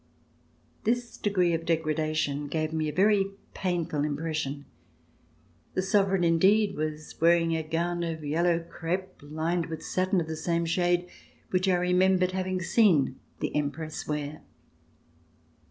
This degree of degradation gave me a very painful impression. The Sovereign indeed was wearing a gown of yellow crepe, lined with satin of the same shade, which I re membered having seen the Empress wear.